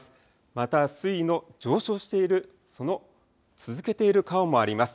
また水位の上昇している、続けている川もあります。